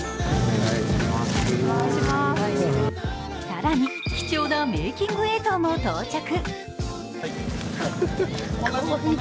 更に貴重なメーキング映像も到着。